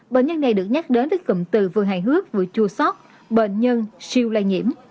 bệnh nhân này được nhắc đến với cụm từ vừa hài hước vừa chua sót bệnh nhân siêu lây nhiễm